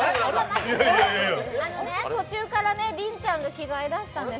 途中からりんちゃんが着替え出したんです。